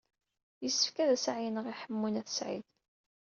Yessefk ad as-ɛeyyneɣ i Ḥemmu n At Sɛid.